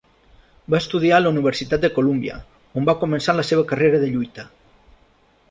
Va estudiar a la Universitat de Columbia, on va començar la seva carrera de lluita.